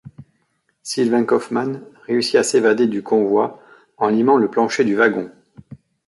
Sylvain Kaufmann réussit à s'évader du convoi en limant le plancher du wagon.